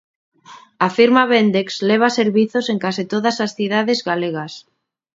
A firma Vendex leva servizos en case todas as cidades galegas.